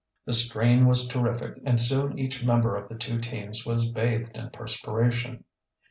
The strain was terrific and soon each member of the two teams was bathed in perspiration.